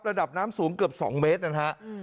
ระดับน้ำสูงเกือบ๒เมตรนะฮะ